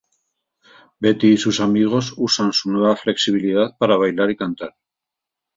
Betty y sus amigos usan su nueva flexibilidad para bailar y cantar.